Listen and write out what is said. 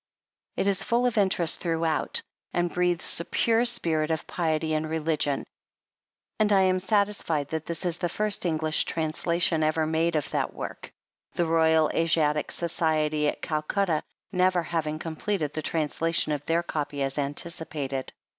It is full of interest throughout, and breathes a pure spirit of piety and religion, and I am satisfied that this is the first English translation ever made of that work, the Royal Asiatic Society at Culcutta never having completed the trans lation of their copy as anticipated.